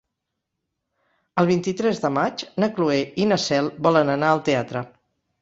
El vint-i-tres de maig na Cloè i na Cel volen anar al teatre.